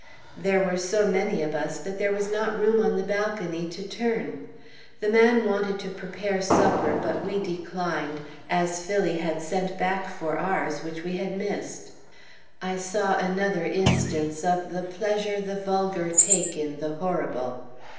There were so many of us that there was not room on the balcony to turn. The man wanted to prepare supper, but we declined, as Phillie had sent back for ours which we had missed. I saw another instance of the pleasure the vulgar take in the horrible.